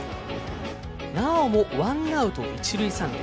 なおもワンアウト、一塁三塁。